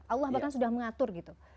allah bahkan sudah mengatur gitu